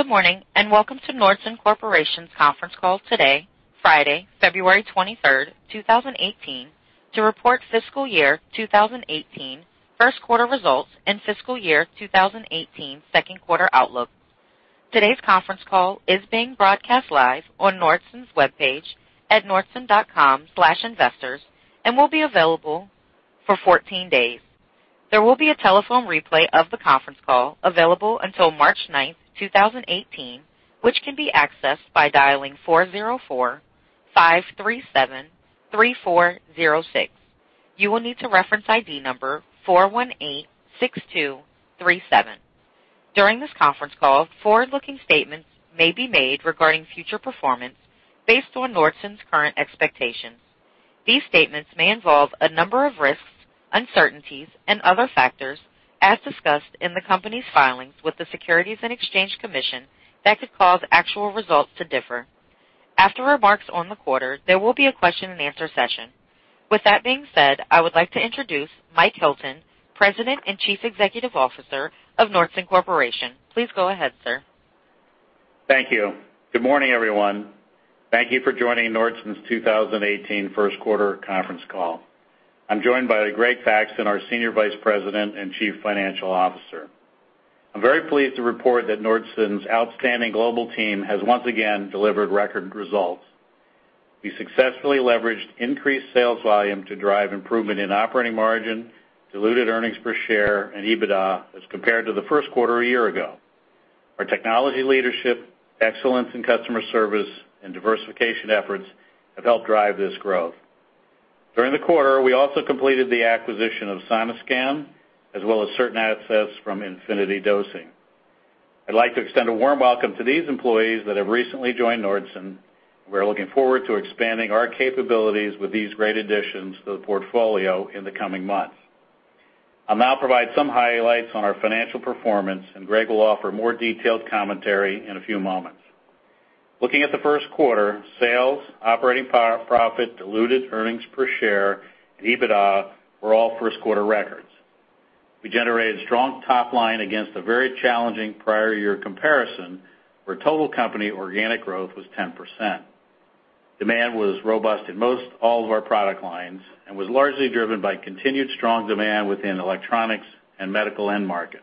Good morning, and welcome to Nordson Corporation's conference call today, Friday, February 23rd, 2018, to report fiscal year 2018 first quarter results and fiscal year 2018 second quarter outlook. Today's conference call is being broadcast live on Nordson's webpage at nordson.com/investors and will be available for 14 days. There will be a telephone replay of the conference call available until March 9th, 2018, which can be accessed by dialing 404-537-3406. You will need to reference ID number 4186237. During this conference call, forward-looking statements may be made regarding future performance based on Nordson's current expectations. These statements may involve a number of risks, uncertainties, and other factors, as discussed in the company's filings with the Securities and Exchange Commission that could cause actual results to differ. After remarks on the quarter, there will be a question-and-answer session. With that being said, I would like to introduce Mike Hilton, President and Chief Executive Officer of Nordson Corporation. Please go ahead, sir. Thank you. Good morning, everyone. Thank you for joining Nordson's 2018 first quarter conference call. I'm joined by Greg Thaxton, our Senior Vice President and Chief Financial Officer. I'm very pleased to report that Nordson's outstanding global team has once again delivered record results. We successfully leveraged increased sales volume to drive improvement in operating margin, diluted earnings per share and EBITDA as compared to the first quarter a year ago. Our technology leadership, excellence in customer service, and diversification efforts have helped drive this growth. During the quarter, we also completed the acquisition of Sonoscan, as well as certain assets from Infiniti Dosing. I'd like to extend a warm welcome to these employees that have recently joined Nordson. We're looking forward to expanding our capabilities with these great additions to the portfolio in the coming months. I'll now provide some highlights on our financial performance, and Greg will offer more detailed commentary in a few moments. Looking at the first quarter, sales, operating profit, diluted earnings per share, and EBITDA were all first-quarter records. We generated strong top line against a very challenging prior year comparison, where total company organic growth was 10%. Demand was robust in most all of our product lines and was largely driven by continued strong demand within electronics and medical end markets.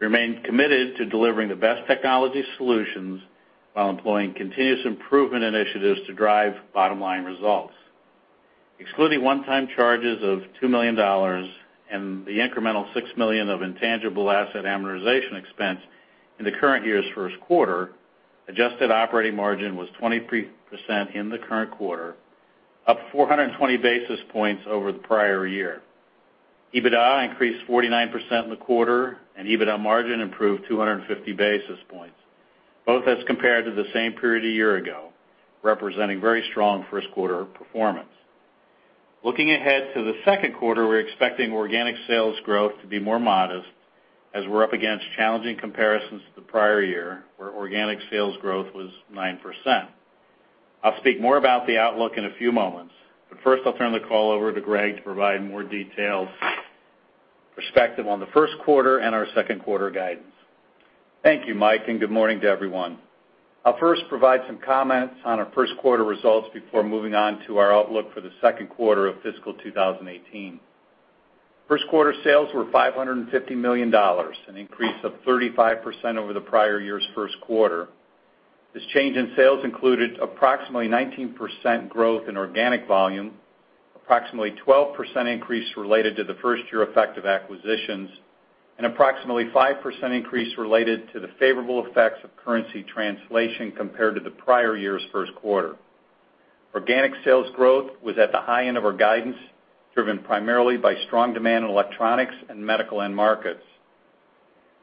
Remain committed to delivering the best technology solutions while employing continuous improvement initiatives to drive bottom-line results. Excluding one-time charges of $2 million and the incremental $6 million of intangible asset amortization expense in the current year's first quarter, adjusted operating margin was 23% in the current quarter, up 420 basis points over the prior year. EBITDA increased 49% in the quarter, and EBITDA margin improved 250 basis points, both as compared to the same period a year ago, representing very strong first quarter performance. Looking ahead to the second quarter, we're expecting organic sales growth to be more modest as we're up against challenging comparisons to the prior year, where organic sales growth was 9%. I'll speak more about the outlook in a few moments, but first I'll turn the call over to Greg to provide more details, perspective on the first quarter and our second quarter guidance. Thank you, Mike, and good morning to everyone. I'll first provide some comments on our first quarter results before moving on to our outlook for the second quarter of fiscal 2018. First quarter sales were $550 million, an increase of 35% over the prior year's first quarter. This change in sales included approximately 19% growth in organic volume, approximately 12% increase related to the first year effect of acquisitions, and approximately 5% increase related to the favorable effects of currency translation compared to the prior year's first quarter. Organic sales growth was at the high end of our guidance, driven primarily by strong demand in electronics and medical end markets.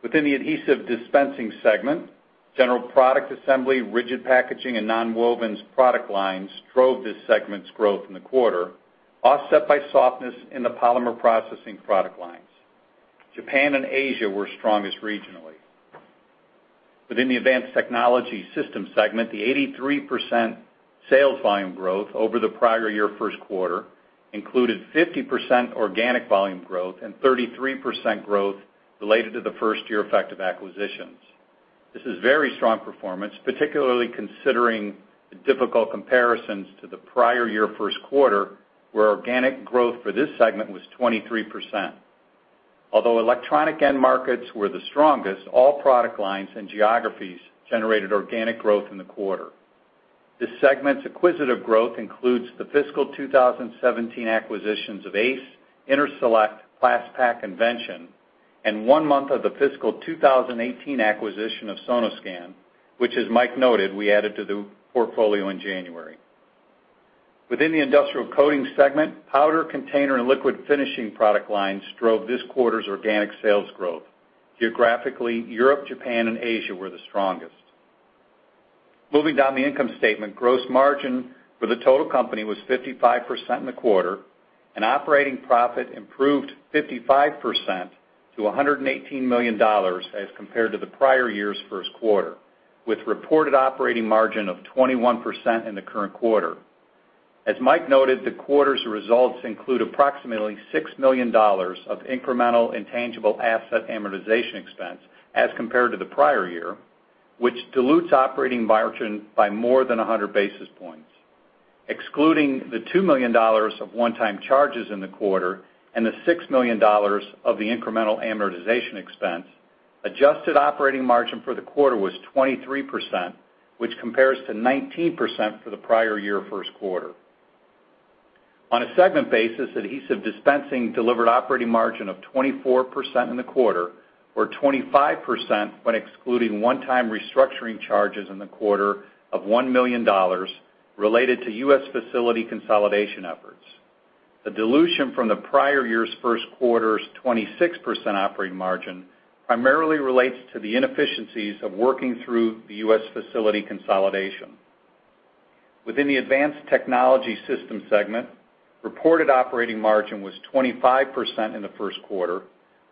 Within the Adhesive Dispensing segment, general product assembly, rigid packaging and nonwovens product lines drove this segment's growth in the quarter, offset by softness in the polymer processing product lines. Japan and Asia were strongest regionally. Within the Advanced Technology Solutions segment, the 83% sales volume growth over the prior year first quarter included 50% organic volume growth and 33% growth related to the first year effect of acquisitions. This is very strong performance, particularly considering the difficult comparisons to the prior year first quarter, where organic growth for this segment was 23%. Although electronic end markets were the strongest, all product lines and geographies generated organic growth in the quarter. This segment's acquisitive growth includes the fiscal 2017 acquisitions of ACE, InterSelect, Plas-Pak, Vention, and one month of the fiscal 2018 acquisition of Sonoscan, which, as Mike noted, we added to the portfolio in January. Within the Industrial Coating Systems segment, powder, container, and liquid finishing product lines drove this quarter's organic sales growth. Geographically, Europe, Japan, and Asia were the strongest. Moving down the income statement, gross margin for the total company was 55% in the quarter and operating profit improved 55% to $118 million as compared to the prior year's first quarter, with reported operating margin of 21% in the current quarter. As Mike noted, the quarter's results include approximately $6 million of incremental intangible asset amortization expense as compared to the prior year, which dilutes operating margin by more than 100 basis points. Excluding the $2 million of one-time charges in the quarter and the $6 million of the incremental amortization expense, adjusted operating margin for the quarter was 23%, which compares to 19% for the prior year first quarter. On a segment basis, Adhesive Dispensing delivered operating margin of 24% in the quarter, or 25% when excluding one-time restructuring charges in the quarter of $1 million related to U.S. facility consolidation efforts. The dilution from the prior year's first quarter's 26% operating margin primarily relates to the inefficiencies of working through the U.S. facility consolidation. Within the Advanced Technology Solutions segment, reported operating margin was 25% in the first quarter,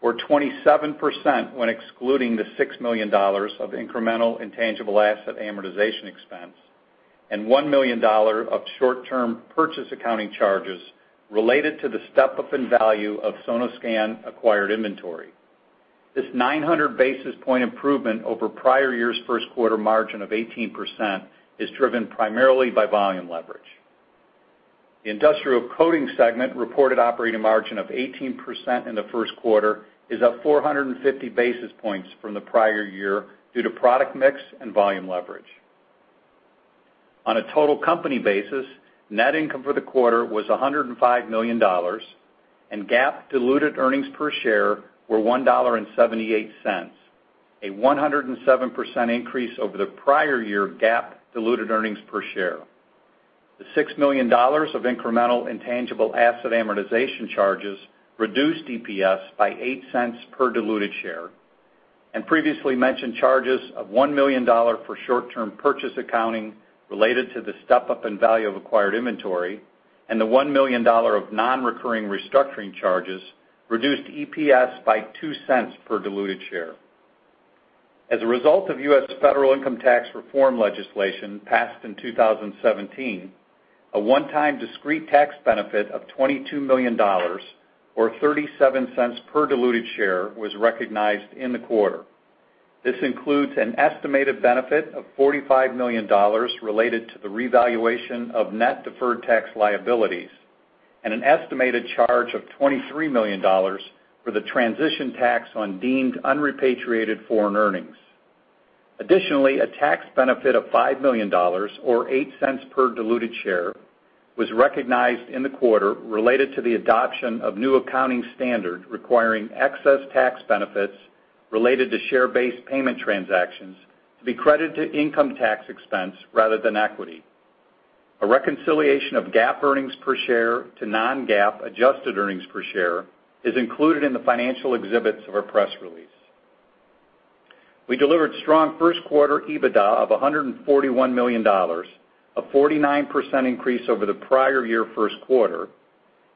or 27% when excluding the $6 million of incremental intangible asset amortization expense and $1 million of short-term purchase accounting charges related to the step-up in value of Sonoscan-acquired inventory. This 900 basis point improvement over prior year's first quarter margin of 18% is driven primarily by volume leverage. The Industrial Coating segment reported operating margin of 18% in the first quarter, is up 450 basis points from the prior year due to product mix and volume leverage. On a total company basis, net income for the quarter was $105 million, and GAAP diluted earnings per share were $1.78, a 107% increase over the prior year GAAP diluted earnings per share. The $6 million of incremental intangible asset amortization charges reduced EPS by 8 cents per diluted share, and previously mentioned charges of $1 million dollars for short-term purchase accounting related to the step-up in value of acquired inventory and the $1 million dollars of non-recurring restructuring charges reduced EPS by 2 cents per diluted share. As a result of U.S. federal income tax reform legislation passed in 2017, a one-time discrete tax benefit of $22 million or $0.37 per diluted share was recognized in the quarter. This includes an estimated benefit of $45 million related to the revaluation of net deferred tax liabilities and an estimated charge of $23 million for the transition tax on deemed unrepatriated foreign earnings. Additionally, a tax benefit of $5 million or $0.08 per diluted share was recognized in the quarter related to the adoption of new accounting standard requiring excess tax benefits related to share-based payment transactions to be credited to income tax expense rather than equity. A reconciliation of GAAP earnings per share to non-GAAP adjusted earnings per share is included in the financial exhibits of our press release. We delivered strong first quarter EBITDA of $141 million, a 49% increase over the prior year first quarter,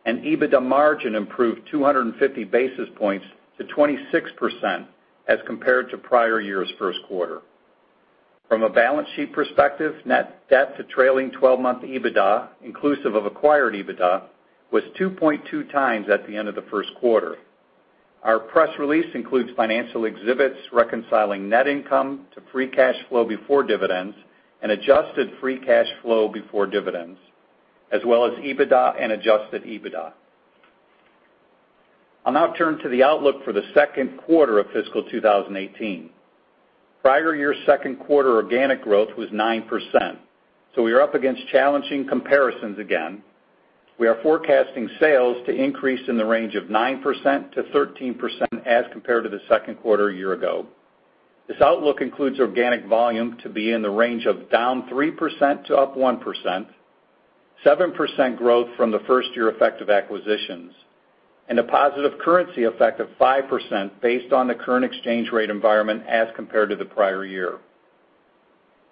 and EBITDA margin improved 250 basis points to 26% as compared to prior year's first quarter. From a balance sheet perspective, net debt to trailing twelve-month EBITDA, inclusive of acquired EBITDA, was 2.2 times at the end of the first quarter. Our press release includes financial exhibits reconciling net income to free cash flow before dividends and adjusted free cash flow before dividends, as well as EBITDA and adjusted EBITDA. I'll now turn to the outlook for the second quarter of fiscal 2018. Prior year's second quarter organic growth was 9%, so we are up against challenging comparisons again. We are forecasting sales to increase in the range of 9%-13% as compared to the second quarter a year ago. This outlook includes organic volume to be in the range of down 3% to up 1%, 7% growth from the first-year effect of acquisitions, and a positive currency effect of 5% based on the current exchange rate environment as compared to the prior year.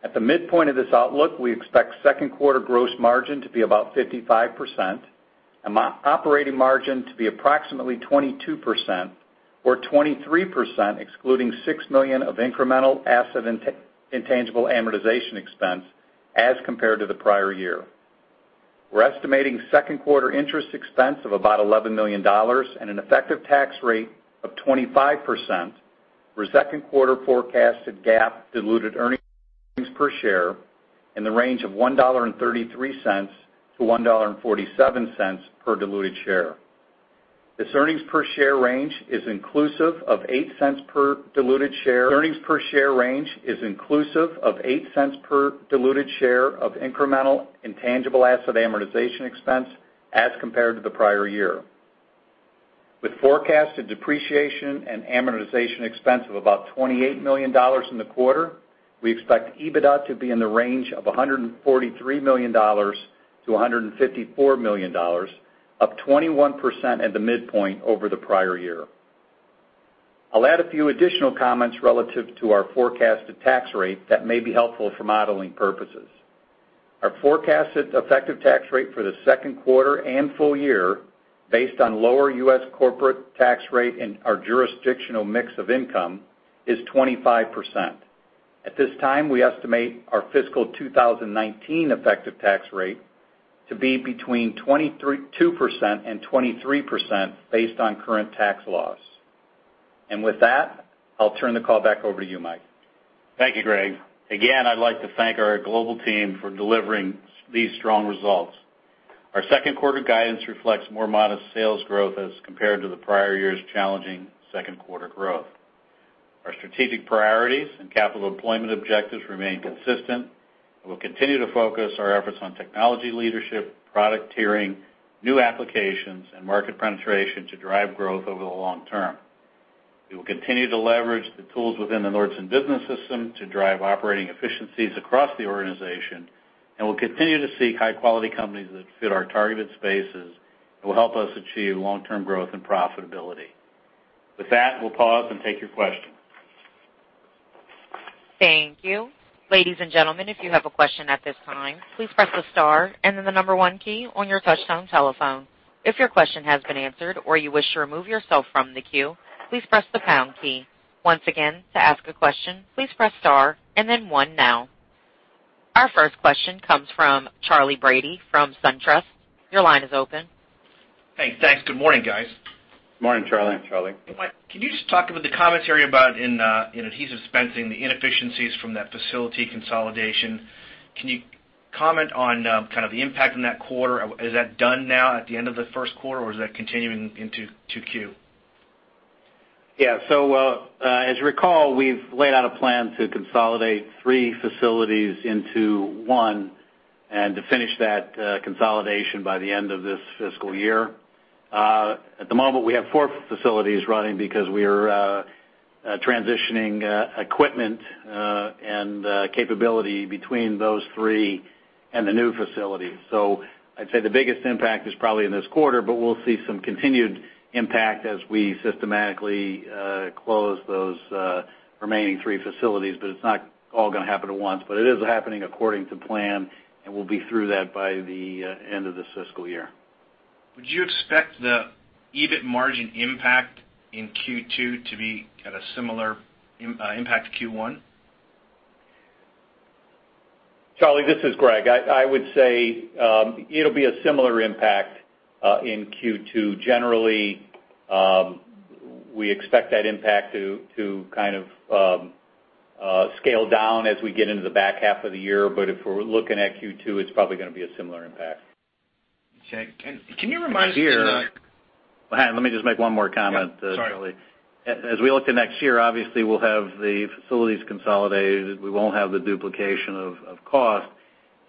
At the midpoint of this outlook, we expect second quarter gross margin to be about 55% and operating margin to be approximately 22% or 23% excluding $6 million of incremental asset and intangible amortization expense as compared to the prior year. We're estimating second quarter interest expense of about $11 million and an effective tax rate of 25% for second quarter forecasted GAAP diluted earnings per share in the range of $1.33-$1.47 per diluted share. This earnings per share range is inclusive of $0.08 per diluted share of incremental intangible asset amortization expense as compared to the prior year. With forecasted depreciation and amortization expense of about $28 million in the quarter, we expect EBITDA to be in the range of $143 million-$154 million, up 21% at the midpoint over the prior year. I'll add a few additional comments relative to our forecasted tax rate that may be helpful for modeling purposes. Our forecasted effective tax rate for the second quarter and full year, based on lower U.S. corporate tax rate and our jurisdictional mix of income, is 25%. At this time, we estimate our fiscal 2019 effective tax rate to be between 23.2% and 23% based on current tax laws. With that, I'll turn the call back over to you, Mike. Thank you, Greg. Again, I'd like to thank our global team for delivering these strong results. Our second quarter guidance reflects more modest sales growth as compared to the prior year's challenging second quarter growth. Our strategic priorities and capital employment objectives remain consistent, and we'll continue to focus our efforts on technology leadership, product tiering, new applications, and market penetration to drive growth over the long term. We will continue to leverage the tools within the Nordson Business System to drive operating efficiencies across the organization, and we'll continue to seek high-quality companies that fit our targeted spaces that will help us achieve long-term growth and profitability. With that, we'll pause and take your questions. Thank you. Ladies and gentlemen, if you have a question at this time, please press the star and then the number one key on your touch-tone telephone. If your question has been answered or you wish to remove yourself from the queue, please press the pound key. Once again, to ask a question, please press star and then one now. Our first question comes from Charley Brady from SunTrust. Your line is open. Hey, thanks. Good morning, guys. Good morning, Charley. Morning, Charley. Mike, can you just talk about the commentary about in adhesive dispensing, the inefficiencies from that facility consolidation? Can you comment on, kind of the impact in that quarter? Is that done now at the end of the first quarter, or is that continuing into 2Q? Yeah. As you recall, we've laid out a plan to consolidate three facilities into one and to finish that consolidation by the end of this fiscal year. At the moment, we have four facilities running because we are transitioning equipment and capability between those three and the new facility. I'd say the biggest impact is probably in this quarter, but we'll see some continued impact as we systematically close those remaining three facilities, but it's not all gonna happen at once. It is happening according to plan, and we'll be through that by the end of this fiscal year. Would you expect the EBIT margin impact in Q2 to be at a similar impact to Q1? Charley, this is Greg. I would say it'll be a similar impact in Q2. Generally, we expect that impact to kind of scale down as we get into the back half of the year. If we're looking at Q2, it's probably gonna be a similar impact. Okay. Can you remind us, you know. Oh, hang on, let me just make one more comment, Charley. Yeah, sorry. As we look to next year, obviously, we'll have the facilities consolidated. We won't have the duplication of cost.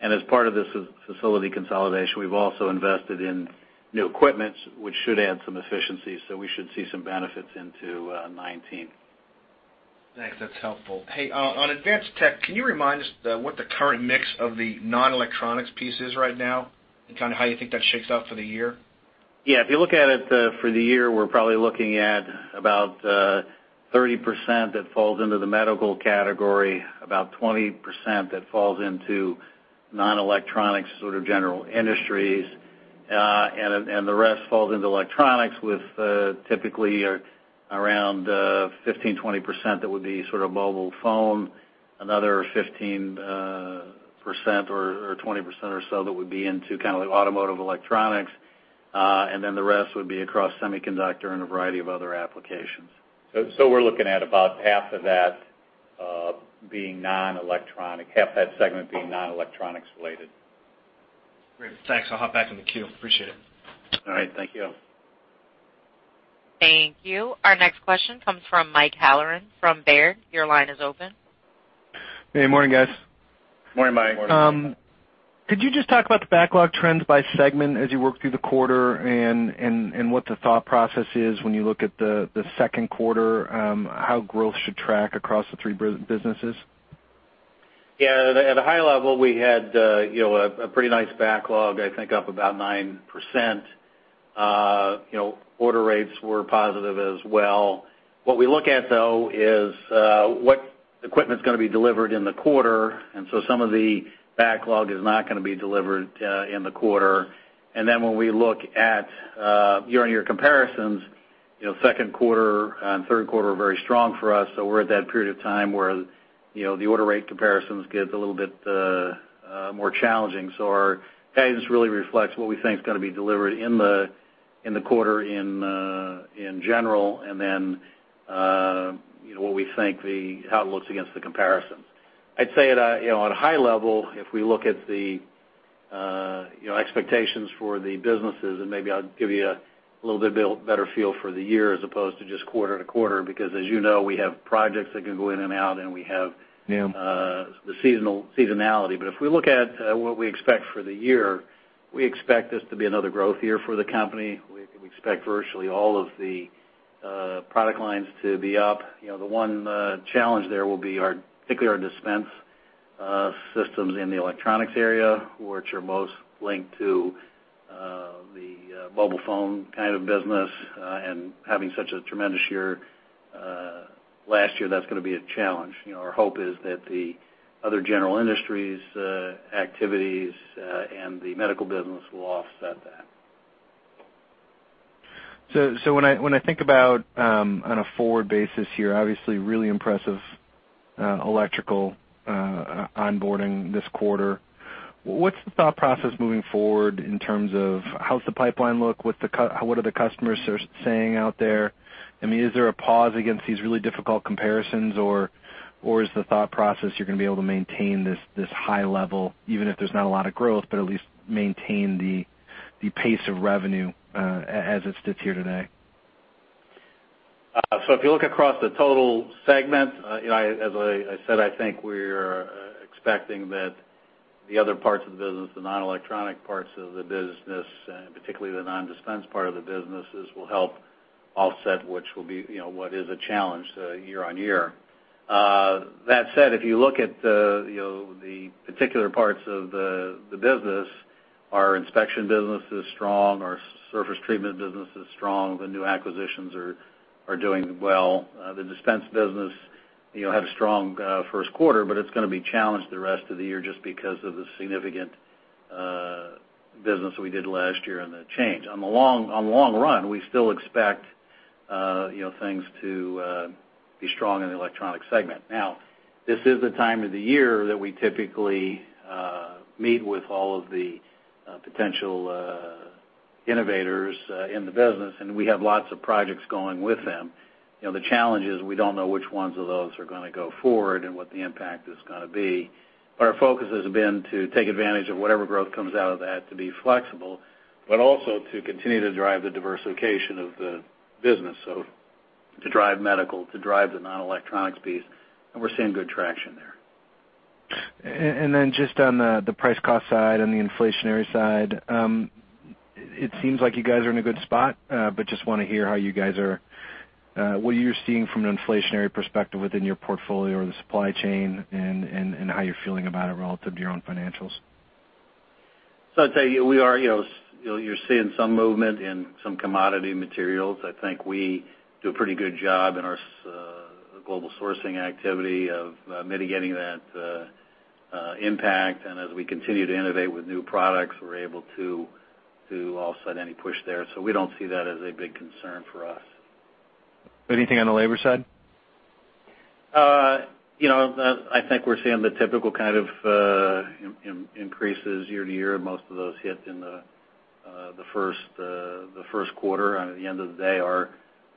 As part of this facility consolidation, we've also invested in new equipment, which should add some efficiencies, so we should see some benefits into 2019. Thanks. That's helpful. Hey, on Advanced Tech, can you remind us what the current mix of the non-electronics piece is right now and kinda how you think that shakes out for the year? Yeah. If you look at it, for the year, we're probably looking at about 30% that falls into the medical category, about 20% that falls into non-electronics, sort of general industries. The rest falls into electronics with typically around 15%-20% that would be sort of mobile phone, another 15% or 20% or so that would be into kinda like automotive electronics. The rest would be across semiconductor and a variety of other applications. We're looking at about half of that being non-electronic, half that segment being non-electronics related. Great. Thanks. I'll hop back in the queue. Appreciate it. All right. Thank you. Thank you. Our next question comes from Michael Halloran from Baird. Your line is open. Hey, morning, guys. Morning, Mike. Morning, Mike. Could you just talk about the backlog trends by segment as you work through the quarter and what the thought process is when you look at the second quarter, how growth should track across the three businesses? Yeah. At a high level, we had, you know, a pretty nice backlog, I think up about 9%. You know, order rates were positive as well. What we look at, though, is what equipment's gonna be delivered in the quarter, and so some of the backlog is not gonna be delivered in the quarter. When we look at year-on-year comparisons, you know, second quarter and third quarter are very strong for us, so we're at that period of time where, you know, the order rate comparisons get a little bit more challenging. Our guidance really reflects what we think is gonna be delivered in the quarter in general, and then, you know, what we think how it looks against the comparisons. I'd say, you know, at a high level, if we look at the, you know, expectations for the businesses, and maybe I'll give you a little bit better feel for the year as opposed to just quarter to quarter, because as you know, we have projects that can go in and out, and we have. Yeah. the seasonality. If we look at what we expect for the year, we expect this to be another growth year for the company. We expect virtually all of the product lines to be up. You know, the one challenge there will be our particularly our dispense systems in the electronics area, which are most linked to the mobile phone kind of business and having such a tremendous year last year, that's gonna be a challenge. You know, our hope is that the other general industries activities and the medical business will offset that. When I think about on a forward basis here, obviously really impressive electrical onboarding this quarter. What's the thought process moving forward in terms of how's the pipeline look? What are the customers saying out there? I mean, is there a pause against these really difficult comparisons, or is the thought process you're gonna be able to maintain this high level, even if there's not a lot of growth, but at least maintain the pace of revenue as it sits here today? If you look across the total segment, you know, as I said, I think we're expecting that the other parts of the business, the non-electronic parts of the business, and particularly the non-dispense part of the businesses will help offset, which will be, you know, what is a challenge year-on-year. That said, if you look at the, you know, the particular parts of the business, our inspection business is strong, our surface treatment business is strong. The new acquisitions are doing well. The dispense business, you know, had a strong first quarter, but it's gonna be challenged the rest of the year just because of the significant business we did last year and the change. On the long run, we still expect, you know, things to be strong in the electronic segment. Now, this is the time of the year that we typically meet with all of the potential innovators in the business, and we have lots of projects going with them. You know, the challenge is we don't know which ones of those are gonna go forward and what the impact is gonna be. Our focus has been to take advantage of whatever growth comes out of that to be flexible, but also to continue to drive the diversification of the business. To drive medical, to drive the non-electronics piece, and we're seeing good traction there. then just on the price cost side and the inflationary side, it seems like you guys are in a good spot. But just wanna hear how you guys are, what you're seeing from an inflationary perspective within your portfolio or the supply chain and how you're feeling about it relative to your own financials. I'd tell you, we are, you know. You're seeing some movement in some commodity materials. I think we do a pretty good job in our global sourcing activity of mitigating that impact. As we continue to innovate with new products, we're able to offset any push there. We don't see that as a big concern for us. Anything on the labor side? You know, I think we're seeing the typical kind of increases year to year, and most of those hit in the first quarter. At the end of the day,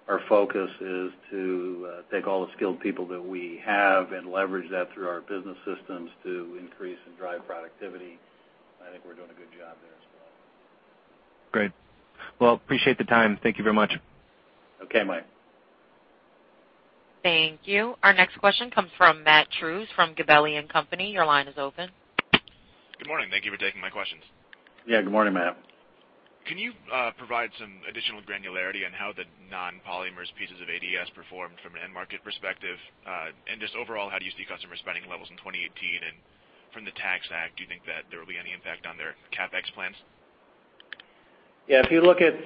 our focus is to take all the skilled people that we have and leverage that through our business systems to increase and drive productivity. I think we're doing a good job there as well. Great. Well, appreciate the time. Thank you very much. Okay, Mike. Thank you. Our next question comes from Matt Trusz from Gabelli & Company. Your line is open. Good morning. Thank you for taking my questions. Yeah. Good morning, Matt. Can you provide some additional granularity on how the non-polymers pieces of ADS performed from an end market perspective? Just overall, how do you see customer spending levels in 2018? From the Tax Act, do you think that there will be any impact on their CapEx plans? If you look at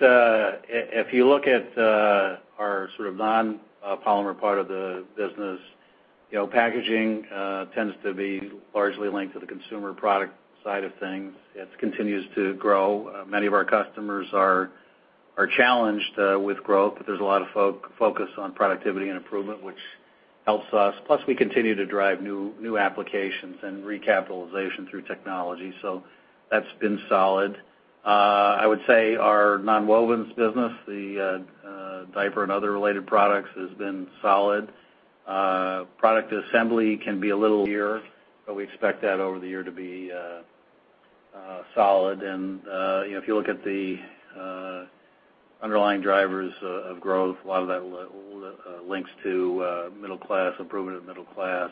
our sort of non-polymer part of the business, you know, packaging tends to be largely linked to the consumer product side of things. It continues to grow. Many of our customers are challenged with growth, but there's a lot of focus on productivity and improvement, which helps us. Plus we continue to drive new applications and recapitalization through technology. That's been solid. I would say our nonwovens business, the diaper and other related products has been solid. Product assembly can be a little weak, but we expect that over the year to be solid. You know, if you look at the underlying drivers of growth, a lot of that links to middle class improvement of middle class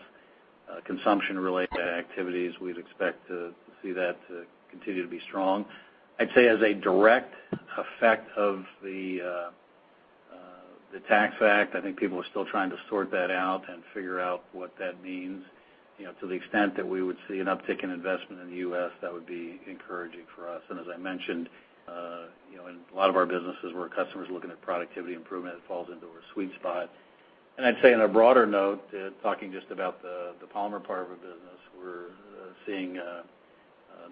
consumption related activities. We'd expect to see that to continue to be strong. I'd say as a direct effect of the Tax Act, I think people are still trying to sort that out and figure out what that means. You know, to the extent that we would see an uptick in investment in the U.S., that would be encouraging for us. As I mentioned, you know, in a lot of our businesses where customers are looking at productivity improvement, it falls into a sweet spot. I'd say on a broader note, talking just about the polymer part of a business, we're seeing a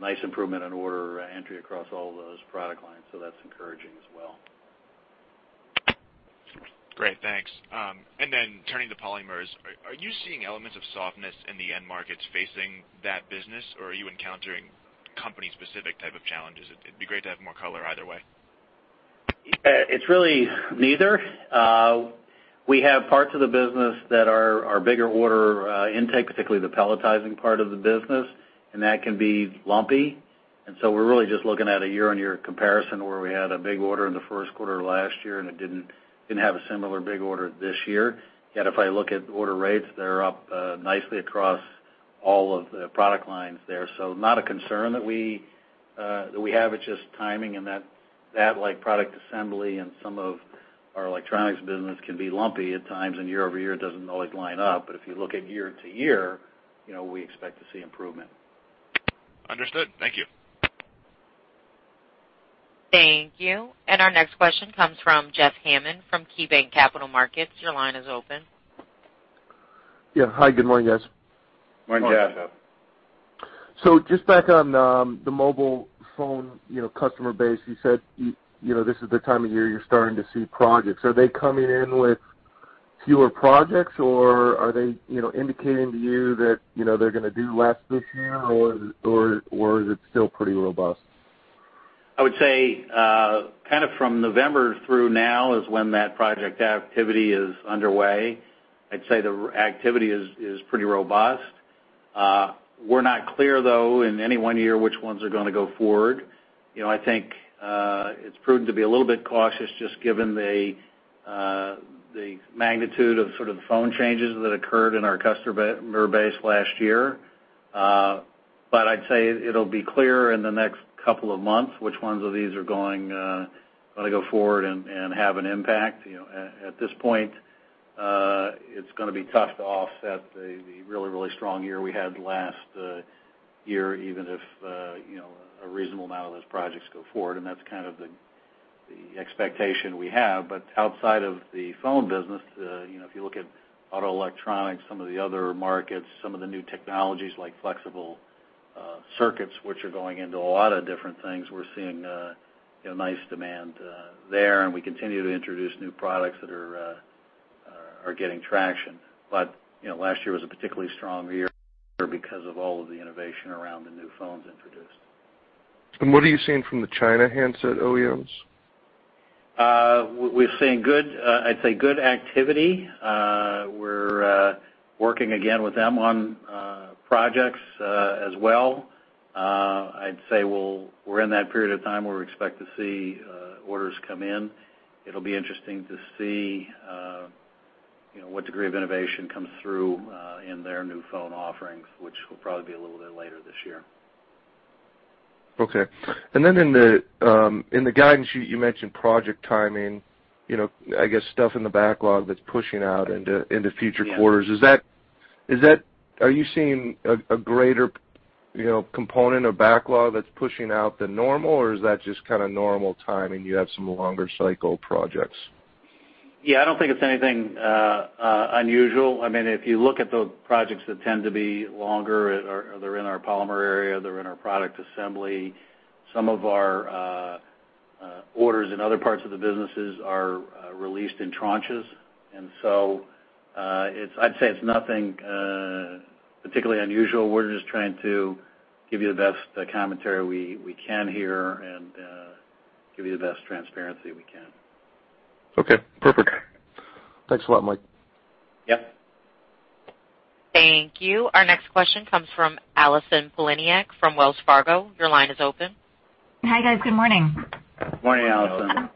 nice improvement in order entry across all those product lines, so that's encouraging as well. Great. Thanks. Turning to polymers, are you seeing elements of softness in the end markets facing that business, or are you encountering company-specific type of challenges? It'd be great to have more color either way. It's really neither. We have parts of the business that are bigger order intake, particularly the pelletizing part of the business, and that can be lumpy. We're really just looking at a year-on-year comparison where we had a big order in the first quarter last year, and it didn't have a similar big order this year. Yet if I look at order rates, they're up nicely across all of the product lines there. Not a concern that we have. It's just timing and that like product assembly and some of our electronics business can be lumpy at times, and year-over-year, it doesn't always line up. If you look at year-to-year, you know, we expect to see improvement. Understood. Thank you. Thank you. Our next question comes from Jeff Hammond from KeyBank Capital Markets. Your line is open. Yeah. Hi, good morning, guys. Morning, Jeff. Just back on the mobile phone, you know, customer base, you said, you know, this is the time of year you're starting to see projects. Are they coming in with fewer projects or are they, you know, indicating to you that, you know, they're gonna do less this year, or is it still pretty robust? I would say kind of from November through now is when that project activity is underway. I'd say the activity is pretty robust. We're not clear though, in any one year, which ones are gonna go forward. You know, I think it's prudent to be a little bit cautious just given the magnitude of sort of the phone changes that occurred in our customer base last year. But I'd say it'll be clear in the next couple of months which ones of these are gonna go forward and have an impact. You know, at this point it's gonna be tough to offset the really strong year we had last year, even if you know, a reasonable amount of those projects go forward. That's kind of the expectation we have. Outside of the phone business, you know, if you look at auto electronics, some of the other markets, some of the new technologies like flexible circuits, which are going into a lot of different things, we're seeing nice demand there. We continue to introduce new products that are getting traction. You know, last year was a particularly strong year because of all of the innovation around the new phones introduced. What are you seeing from the China handset OEMs? We're seeing good, I'd say good activity. We're working again with them on projects as well. I'd say, we're in that period of time where we expect to see orders come in. It'll be interesting to see, you know, what degree of innovation comes through in their new phone offerings, which will probably be a little bit later this year. Okay. In the guidance sheet, you mentioned project timing, you know, I guess, stuff in the backlog that's pushing out into future quarters. Yeah. Are you seeing a greater, you know, component of backlog that's pushing out than normal, or is that just kind of normal timing, you have some longer cycle projects? Yeah, I don't think it's anything unusual. I mean, if you look at the projects that tend to be longer, or they're in our polymer area, they're in our product assembly. Some of our orders in other parts of the businesses are released in tranches. I'd say it's nothing particularly unusual. We're just trying to give you the best commentary we can here and give you the best transparency we can. Okay, perfect. Thanks a lot, Mike. Yeah. Thank you. Our next question comes from Allison Poliniak from Wells Fargo. Your line is open. Hi, guys. Good morning. Morning, Allison.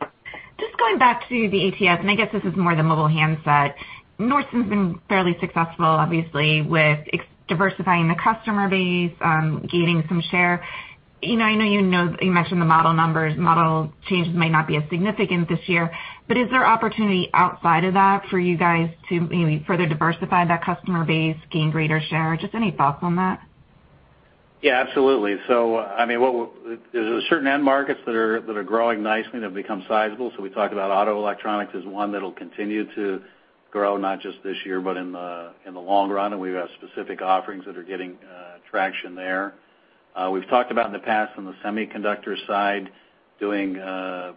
Just going back to the ATS, and I guess this is more the mobile handset. Nordson's been fairly successful, obviously, with expanding the customer base, gaining some share. You know, I know you know, you mentioned the model numbers. Model changes may not be as significant this year. Is there opportunity outside of that for you guys to maybe further diversify that customer base, gain greater share? Just any thoughts on that? Yeah, absolutely. I mean, there's certain end markets that are growing nicely that have become sizable. We talk about auto electronics as one that'll continue to grow, not just this year, but in the long run. We've got specific offerings that are getting traction there. We've talked about in the past on the semiconductor side, doing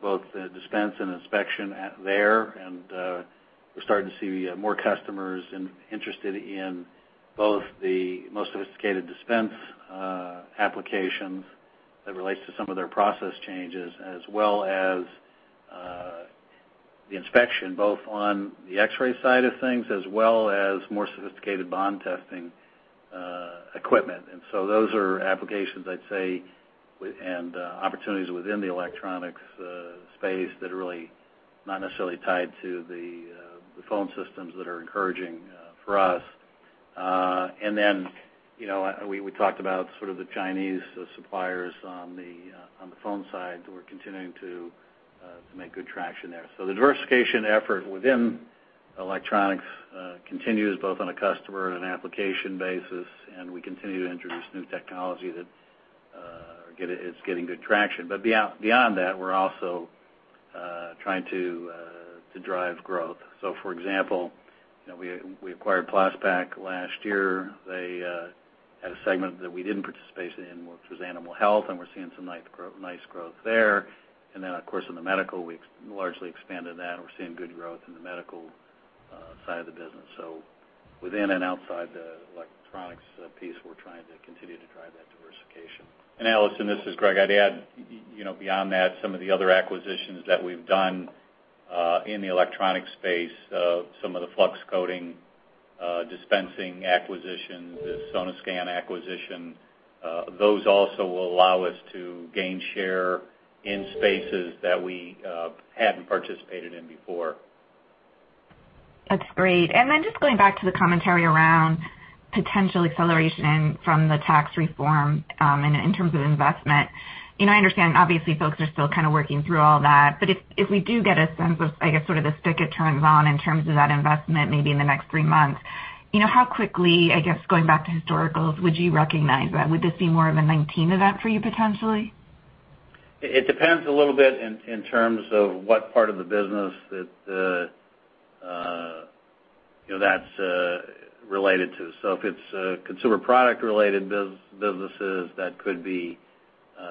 both the dispense and inspection there. We're starting to see more customers interested in both the most sophisticated dispense applications that relates to some of their process changes, as well as the inspection, both on the X-ray side of things, as well as more sophisticated bond testing equipment. Those are applications I'd say with opportunities within the electronics space that are really not necessarily tied to the phone systems that are encouraging for us. You know, we talked about sort of the Chinese suppliers on the phone side. We're continuing to make good traction there. The diversification effort within electronics continues both on a customer and an application basis, and we continue to introduce new technology that is getting good traction. Beyond that, we're also trying to drive growth. For example, you know, we acquired Plas-Pak last year. They had a segment that we didn't participate in, which was animal health, and we're seeing some nice growth there. Of course, in the medical, we largely expanded that, and we're seeing good growth in the medical side of the business. Within and outside the electronics piece, we're trying to continue to drive that diversification. Allison, this is Greg. I'd add, you know, beyond that, some of the other acquisitions that we've done in the electronics space, some of the flux dispensing acquisitions, the Sonoscan acquisition, those also will allow us to gain share in spaces that we hadn't participated in before. That's great. Then just going back to the commentary around potential acceleration from the tax reform in terms of investment. You know, I understand obviously folks are still kind of working through all that. If we do get a sense of, I guess, sort of the spigot turns on in terms of that investment, maybe in the next three months, you know, how quickly, I guess, going back to historicals, would you recognize that? Would this be more of a 2019 event for you potentially? It depends a little bit in terms of what part of the business, you know, that's related to. If it's consumer product-related businesses, that could be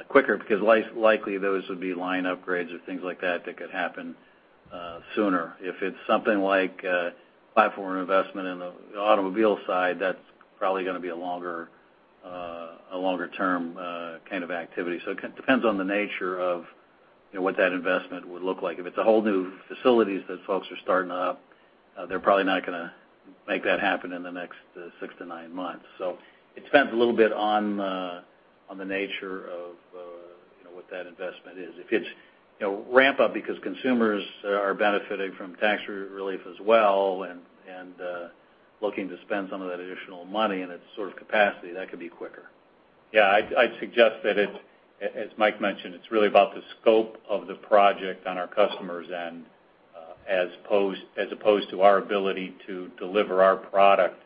quicker because likely those would be line upgrades or things like that that could happen sooner. If it's something like a platform investment in the automobile side, that's probably gonna be a longer-term kind of activity. It depends on the nature of, you know, what that investment would look like. If it's a whole new facilities that folks are starting up, they're probably not gonna make that happen in the next 6-9 months. It depends a little bit on the nature of, you know, what that investment is. If it's ramp up because consumers are benefiting from tax relief as well and looking to spend some of that additional money and it's sort of capacity, that could be quicker. Yeah, I'd suggest that it, as Mike mentioned, it's really about the scope of the project on our customers and as opposed to our ability to deliver our product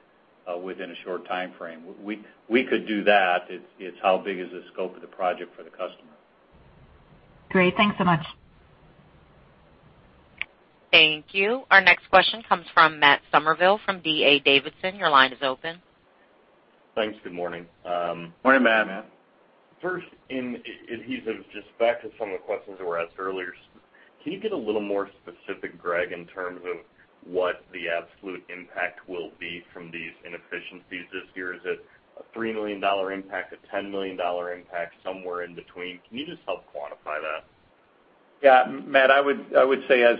within a short timeframe. We could do that, it's how big is the scope of the project for the customer. Great. Thanks so much. Thank you. Our next question comes from Matt Summerville from D.A. Davidson. Your line is open. Thanks. Good morning. Morning, Matt. First, in Adhesive, just back to some of the questions that were asked earlier. Can you get a little more specific, Greg, in terms of what the absolute impact will be from these inefficiencies this year? Is it a $3 million impact, a $10 million impact, somewhere in between? Can you just help quantify that? Yeah. Matt, I would say as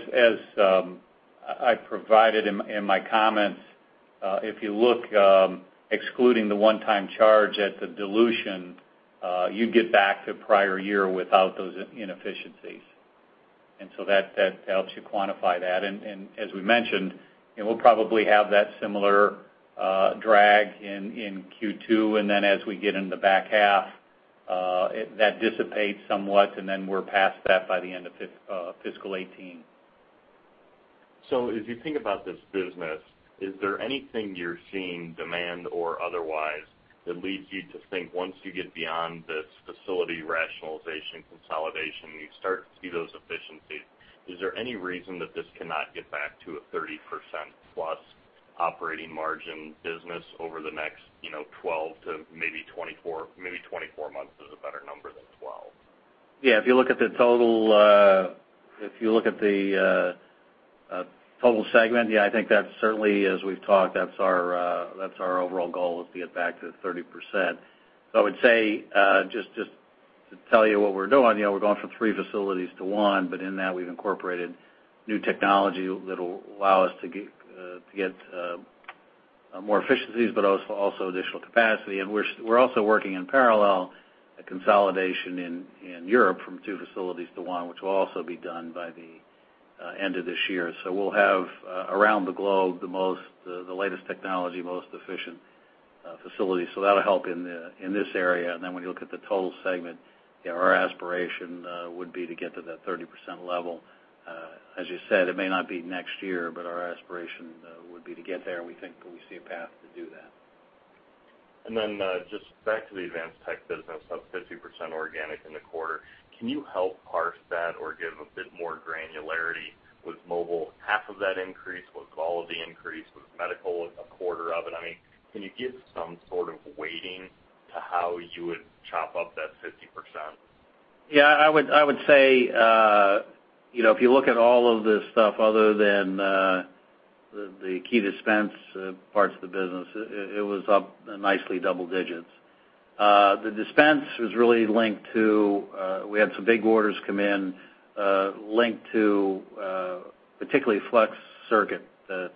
I provided in my comments, if you look, excluding the one-time charge at the dilution, you get back to prior year without those inefficiencies. As we mentioned, you know, we'll probably have that similar drag in Q2, and then as we get in the back half, that dissipates somewhat, and then we're past that by the end of fiscal 2018. As you think about this business, is there anything you're seeing, demand or otherwise, that leads you to think once you get beyond this facility rationalization consolidation, you start to see those efficiencies, is there any reason that this cannot get back to a 30%+ operating margin business over the next, you know, 12 to maybe 24, maybe 24 months is a better number than 12? Yeah. If you look at the total segment, I think that certainly, as we've talked, that's our overall goal is to get back to 30%. I would say, just to tell you what we're doing, you know, we're going from three facilities to one, but in that we've incorporated new technology that'll allow us to get more efficiencies, but also additional capacity. We're also working in parallel a consolidation in Europe from two facilities to one, which will also be done by the end of this year. We'll have, around the globe, the latest technology, most efficient facilities. That'll help in this area. When you look at the total segment, you know, our aspiration would be to get to that 30% level. As you said, it may not be next year, but our aspiration would be to get there, and we think that we see a path to do that. Just back to the advanced tech business, up 50% organic in the quarter. Can you help parse that or give a bit more granularity? Was mobile half of that increase? Was it all of the increase? Was medical a quarter of it? I mean, can you give some sort of weighting to how you would chop up that 50%? Yeah. I would say, you know, if you look at all of this stuff other than the key dispense parts of the business, it was up nicely double digits. The dispense was really linked to we had some big orders come in linked to particularly flex circuit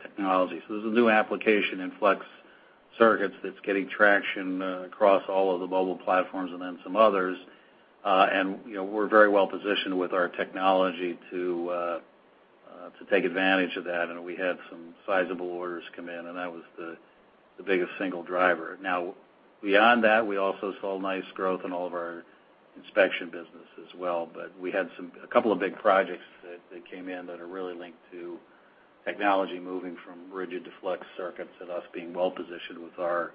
technology. There's a new application in flex circuits that's getting traction across all of the mobile platforms and then some others. You know, we're very well positioned with our technology to take advantage of that. We had some sizable orders come in, and that was the biggest single driver. Now, beyond that, we also saw nice growth in all of our inspection business as well. We had a couple of big projects that came in that are really linked to technology moving from rigid to flex circuits and us being well positioned with our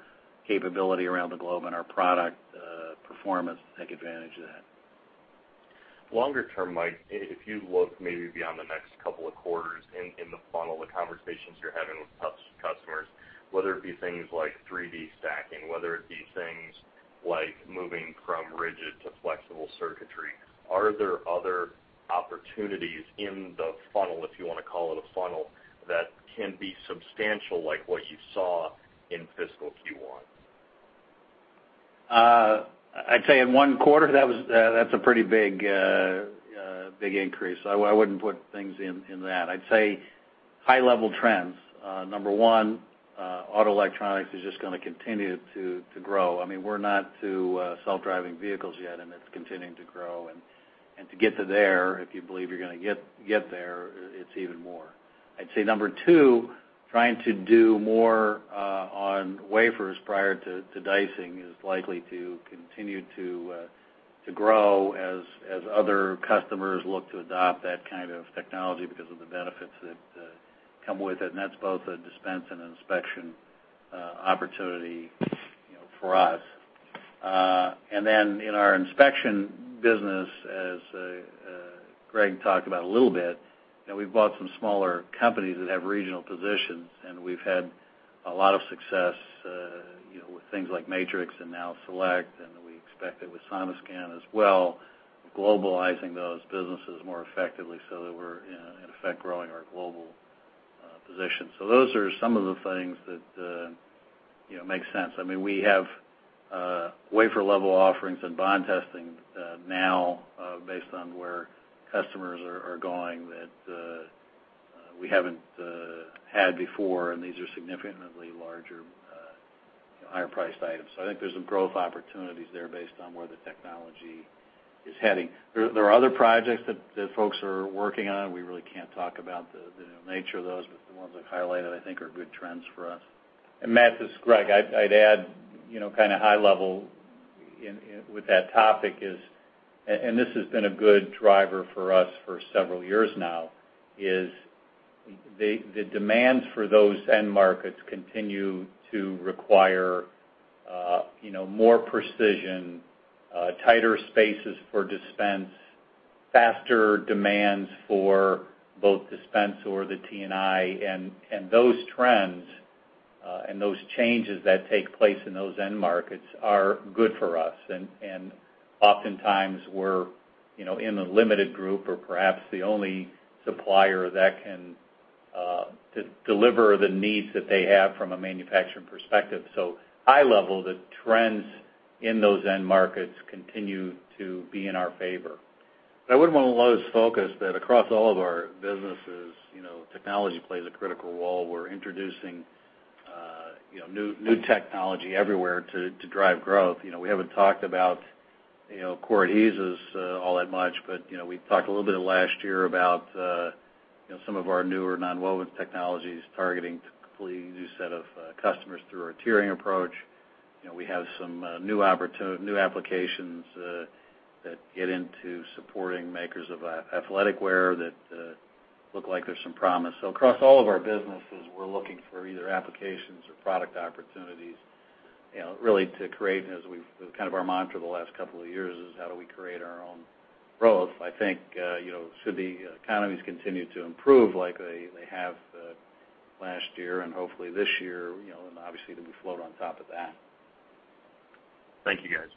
capability around the globe and our product performance to take advantage of that. Longer term, Mike, if you look maybe beyond the next couple of quarters in the funnel, the conversations you're having with customers, whether it be things like 3D stacking, whether it be things like moving from rigid to flexible circuitry, are there other opportunities in the funnel, if you wanna call it a funnel, that can be substantial like what you saw in fiscal Q1? I'd say in one quarter, that's a pretty big increase. I wouldn't put things in that. I'd say high level trends, number one, auto electronics is just gonna continue to grow. I mean, we're not to self-driving vehicles yet, and it's continuing to grow. And to get there, if you believe you're gonna get there, it's even more. I'd say number two, trying to do more on wafers prior to dicing is likely to continue to grow as other customers look to adopt that kind of technology because of the benefits that come with it. That's both a dispense and inspection opportunity for us. In our inspection business, as Greg talked about a little bit, you know, we've bought some smaller companies that have regional positions, and we've had a lot of success, you know, with things like Matrix and now Select, and we expect that with Sonoscan as well, globalizing those businesses more effectively so that we're in effect growing our global position. Those are some of the things that make sense. I mean, we have wafer-level offerings and bond testing now, based on where customers are going that we haven't had before, and these are significantly larger, higher priced items. I think there's some growth opportunities there based on where the technology is heading. There are other projects that folks are working on. We really can't talk about the nature of those, but the ones I've highlighted I think are good trends for us. Matt, this is Greg. I'd add, you know, kind of high level in with that topic is, this has been a good driver for us for several years now, is the demands for those end markets continue to require, you know, more precision, tighter spaces for dispense, faster demands for both dispense or the T&I. Those trends, and those changes that take place in those end markets are good for us. Oftentimes, we're, you know, in the limited group or perhaps the only supplier that can deliver the needs that they have from a manufacturing perspective. High level, the trends in those end markets continue to be in our favor. I wouldn't wanna lose focus that across all of our businesses, you know, technology plays a critical role. We're introducing, you know, new technology everywhere to drive growth. You know, we haven't talked about, you know, core adhesives all that much, but, you know, we've talked a little bit last year about, you know, some of our newer nonwovens technologies targeting to a completely new set of customers through our tiering approach. You know, we have some new applications that get into supporting makers of athletic wear that look like there's some promise. Across all of our businesses, we're looking for either applications or product opportunities, you know, really to create, kind of our mantra the last couple of years is how do we create our own growth. I think, you know, should the economies continue to improve like they have last year and hopefully this year, you know, and obviously then we float on top of that. Thank you, guys.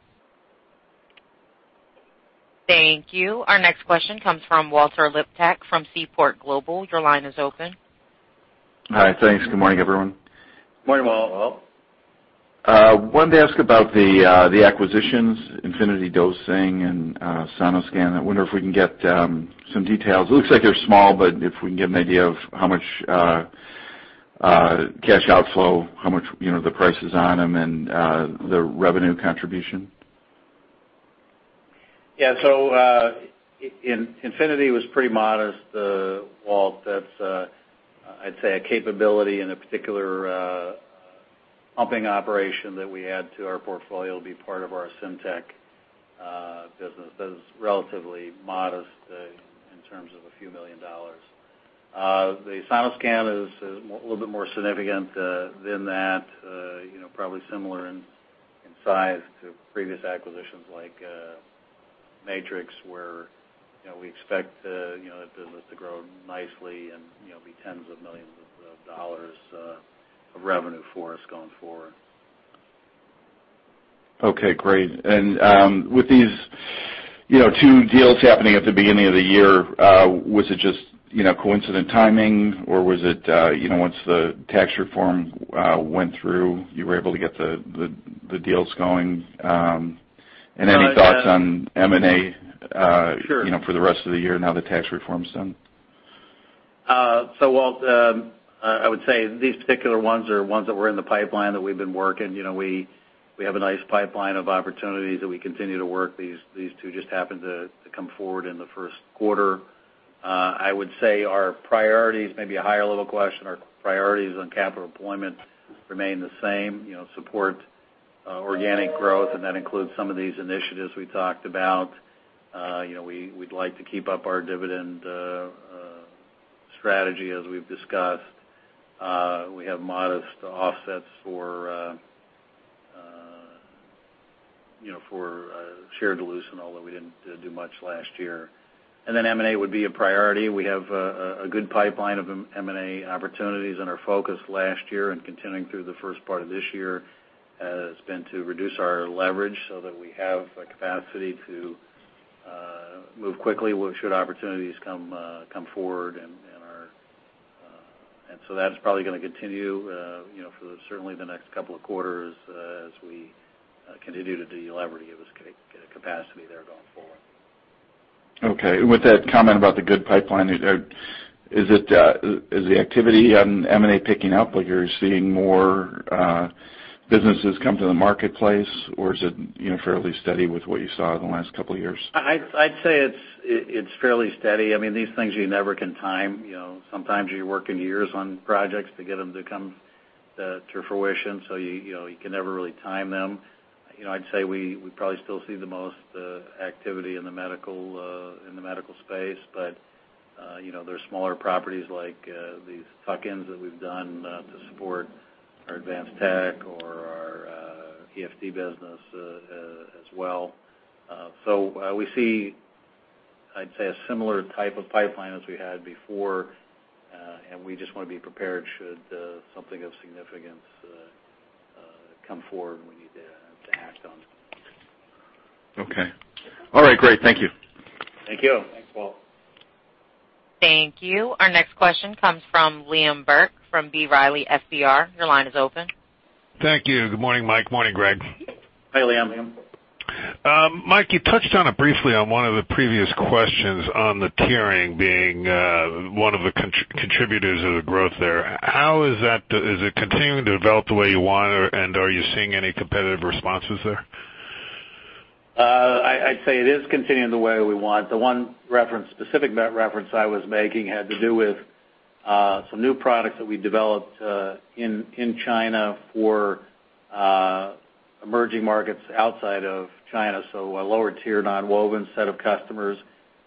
Thank you. Our next question comes from Walter Liptak from Seaport Global. Your line is open. Hi. Thanks. Good morning, everyone. Morning, Walt. Wanted to ask about the acquisitions, Infiniti Dosing and Sonoscan. I wonder if we can get some details. It looks like they're small, but if we can get an idea of how much cash outflow, how much, you know, the prices on them and the revenue contribution. Infiniti was pretty modest, Walt. That's, I'd say, a capability in a particular pumping operation that we add to our portfolio. It'll be part of our Syntec business. That is relatively modest in terms of a few million dollars. The Sonoscan is a little bit more significant than that, you know, probably similar in size to previous acquisitions like Matrix, where you know, we expect the business to grow nicely and you know, be tens of millions of dollars of revenue for us going forward. Okay. Great. With these, you know, two deals happening at the beginning of the year, was it just, you know, coincident timing or was it, you know, once the tax reform went through, you were able to get the deals going? Well. Any thoughts on M&A? Sure you know, for the rest of the year now the tax reform's done? Walt, I would say these particular ones are ones that were in the pipeline that we've been working. You know, we have a nice pipeline of opportunities that we continue to work. These two just happened to come forward in the first quarter. I would say our priorities, maybe a higher level question, our priorities on capital employment remain the same. You know, support organic growth, and that includes some of these initiatives we talked about. You know, we'd like to keep up our dividend strategy as we've discussed. We have modest offsets for share dilution, although we didn't do much last year. M&A would be a priority. We have a good pipeline of M&A opportunities, and our focus last year and continuing through the first part of this year has been to reduce our leverage so that we have the capacity to move quickly should opportunities come forward and are. That's probably gonna continue, you know, for certainly the next couple of quarters, as we continue to deleverage to have capacity there going forward. Okay. With that comment about the good pipeline, is the activity on M&A picking up? Are you seeing more businesses come to the marketplace, or is it, you know, fairly steady with what you saw in the last couple of years? I'd say it's fairly steady. I mean, these things you never can time. You know, sometimes you're working years on projects to get them to come to fruition, so you know, you can never really time them. You know, I'd say we probably still see the most activity in the medical space. But you know, there's smaller opportunities like these tuck-ins that we've done to support our advanced tech or our EFD business as well. We see, I'd say, a similar type of pipeline as we had before. We just wanna be prepared should something of significance come forward, and we need to act on. Okay. All right. Great. Thank you. Thank you. Thanks, Walt. Thank you. Our next question comes from Liam Burke from B. Riley FBR. Your line is open. Thank you. Good morning, Mike. Morning, Greg. Hi, Liam. Liam. Mike, you touched on it briefly on one of the previous questions on the tiering being one of the contributors of the growth there. How is that? Is it continuing to develop the way you want, or, and are you seeing any competitive responses there? I'd say it is continuing the way we want. The one specific reference I was making had to do with some new products that we developed in China for emerging markets outside of China, so a lower tier nonwovens set of customers.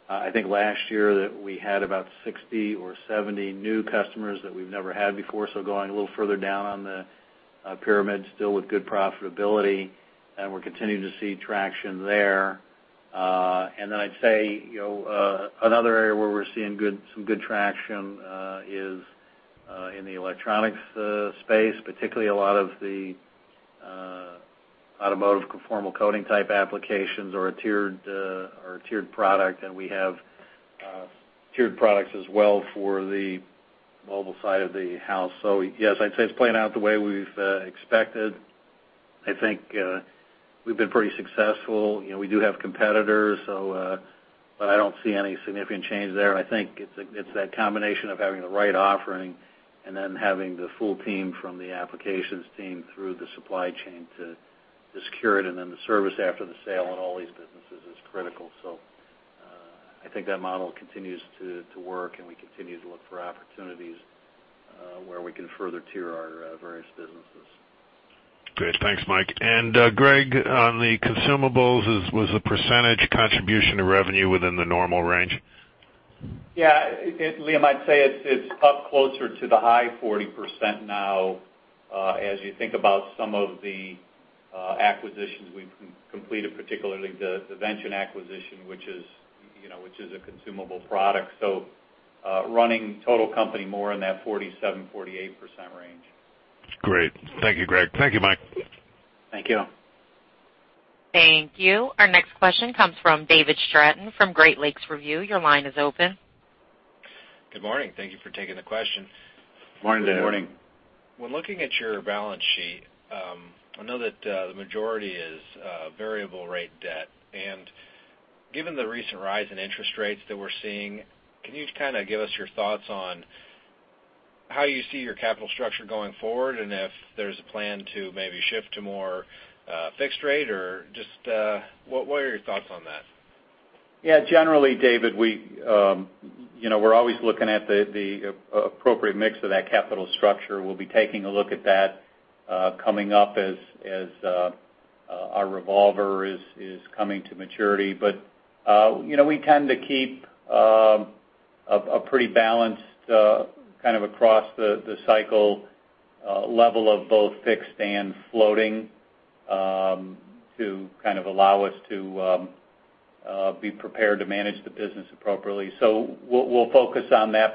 I think last year that we had about 60 or 70 new customers that we've never had before. Going a little further down on the pyramid, still with good profitability. We're continuing to see traction there. Then I'd say, you know, another area where we're seeing some good traction is in the electronics space, particularly a lot of the automotive conformal coating type applications or a tiered product. We have tiered products as well for the mobile side of the house. Yes, I'd say it's playing out the way we've expected. I think we've been pretty successful. You know, we do have competitors. But I don't see any significant change there. I think it's that combination of having the right offering and then having the full team from the applications team through the supply chain to secure it and then the service after the sale on all these businesses is critical. I think that model continues to work, and we continue to look for opportunities where we can further tier our various businesses. Great. Thanks, Mike. Greg, on the consumables, was the percentage contribution of revenue within the normal range? Yeah. Liam, I'd say it's up closer to the high 40% now, as you think about some of the acquisitions we've completed, particularly the Vention acquisition, which is, you know, which is a consumable product. Running total company more in that 47%-48% range. Great. Thank you, Greg. Thank you, Mike. Thank you. Thank you. Our next question comes from David Stratton from Great Lakes Review. Your line is open. Good morning. Thank you for taking the question. Morning, David. Good morning. When looking at your balance sheet, I know that the majority is variable rate debt. Given the recent rise in interest rates that we're seeing, can you kind of give us your thoughts on how you see your capital structure going forward, and if there's a plan to maybe shift to more fixed rate, or just what are your thoughts on that? Yeah. Generally, David, we, you know, we're always looking at the appropriate mix of that capital structure. We'll be taking a look at that coming up as our revolver is coming to maturity. You know, we tend to keep a pretty balanced kind of across the cycle level of both fixed and floating to kind of allow us to be prepared to manage the business appropriately. We'll focus on that.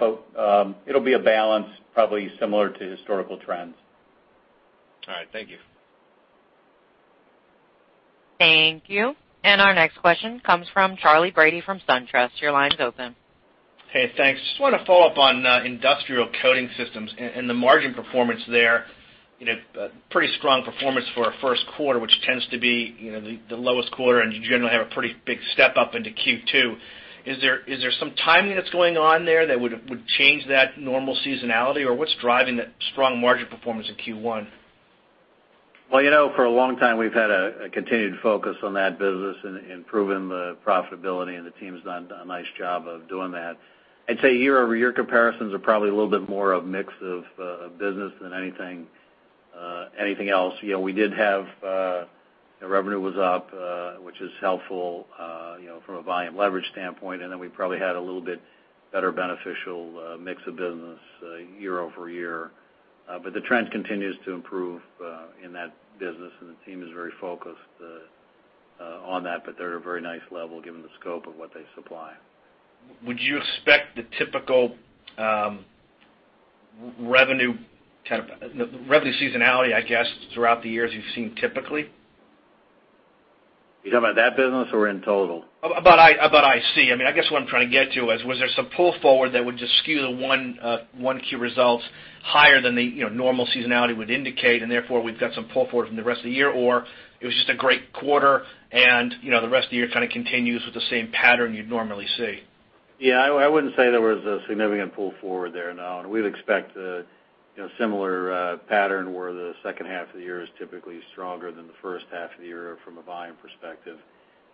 It'll be a balance probably similar to historical trends. All right. Thank you. Thank you. Our next question comes from Charley Brady from SunTrust. Your line is open. Hey. Thanks. Just wanna follow up on industrial coating systems and the margin performance there. You know, pretty strong performance for a first quarter, which tends to be, you know, the lowest quarter, and you generally have a pretty big step up into Q2. Is there some timing that's going on there that would change that normal seasonality, or what's driving the strong margin performance in Q1? Well, you know, for a long time, we've had a continued focus on that business and improving the profitability, and the team's done a nice job of doing that. I'd say year-over-year comparisons are probably a little bit more of a mix of business than anything else. You know, the revenue was up, which is helpful, you know, from a volume leverage standpoint, and then we probably had a little bit better beneficial mix of business year over year. The trend continues to improve in that business, and the team is very focused on that. They're at a very nice level given the scope of what they supply. Would you expect the typical revenue seasonality, I guess, throughout the years you've seen typically? You talking about that business or in total? About IC. I mean, I guess what I'm trying to get to is, was there some pull forward that would just skew the 1Q results higher than the, you know, normal seasonality would indicate, and therefore, we've got some pull forward from the rest of the year? Or it was just a great quarter and, you know, the rest of the year kind of continues with the same pattern you'd normally see? Yeah. I wouldn't say there was a significant pull forward there, no. We'd expect, you know, a similar pattern where the second half of the year is typically stronger than the first half of the year from a volume perspective.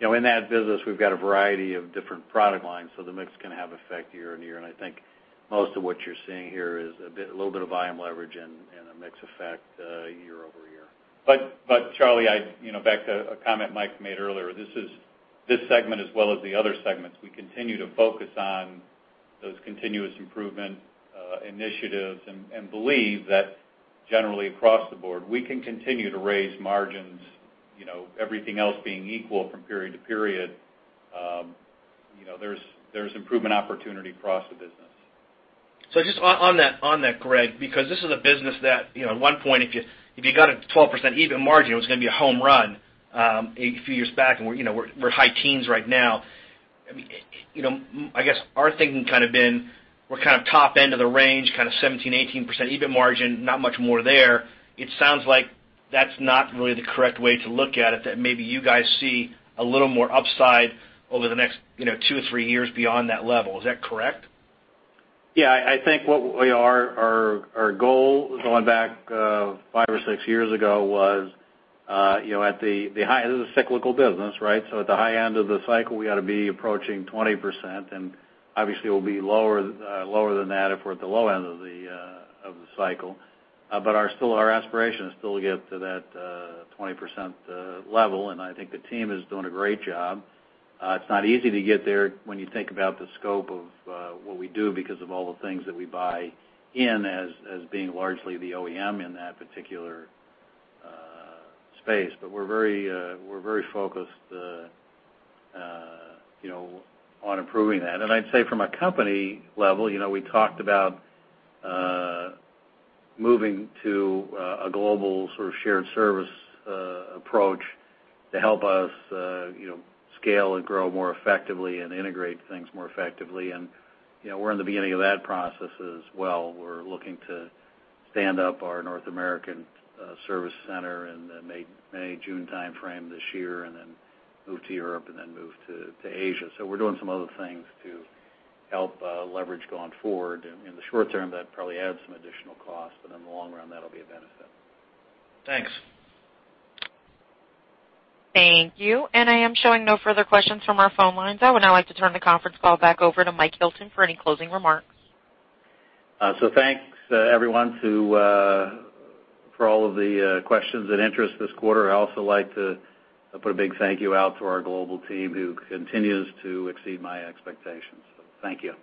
You know, in that business, we've got a variety of different product lines, so the mix can have effect year-on-year. I think most of what you're seeing here is a little bit of volume leverage and a mix effect year-over-year. Charley, you know, back to a comment Mike made earlier, this segment as well as the other segments, we continue to focus on those continuous improvement initiatives and believe that generally across the board, we can continue to raise margins, you know, everything else being equal from period to period. You know, there's improvement opportunity across the business. Just on that, Greg, because this is a business that, you know, at one point, if you got a 12% EBIT margin, it was gonna be a home run a few years back. We're, you know, we're high teens right now. I mean, you know, I guess our thinking kind of been we're kind of top end of the range, kind of 17%-18% EBIT margin, not much more there. It sounds like that's not really the correct way to look at it, that maybe you guys see a little more upside over the next, you know, 2-3 years beyond that level. Is that correct? Yeah, I think our goal going back five or six years ago was, you know, at the high, this is a cyclical business, right, at the high end of the cycle, we ought to be approaching 20%, and obviously, we'll be lower than that if we're at the low end of the cycle. Our aspiration is still to get to that 20% level, and I think the team is doing a great job. It's not easy to get there when you think about the scope of what we do because of all the things that we buy in as being largely the OEM in that particular space. We're very focused, you know, on improving that. I'd say from a company level, you know, we talked about moving to a global sort of shared service approach to help us, you know, scale and grow more effectively and integrate things more effectively. You know, we're in the beginning of that process as well. We're looking to stand up our North American service center in the May, June timeframe this year, and then move to Europe and then move to Asia. We're doing some other things to help leverage going forward. In the short term, that probably adds some additional costs, but in the long run, that'll be a benefit. Thanks. Thank you. I am showing no further questions from our phone lines. I would now like to turn the conference call back over to Mike Hilton for any closing remarks. Thanks to everyone for all of the questions and interest this quarter. I'd also like to put a big thank you out to our global team, who continues to exceed my expectations. Thank you.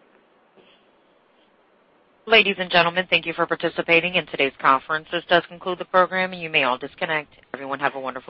Ladies and gentlemen, thank you for participating in today's conference. This does conclude the program. You may all disconnect. Everyone have a wonderful day.